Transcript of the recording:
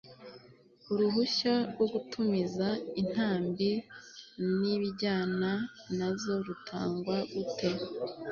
uruhushya rwo gutumiza intambi n' ibijyana na zo rutangwa gute